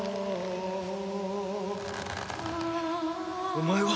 お前は。